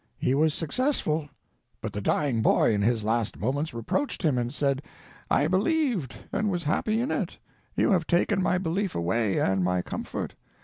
He was successful. But the dying boy in his last moments reproached him and said: "_I believed, and was happy in it; you have taken my belief away, and my comfort.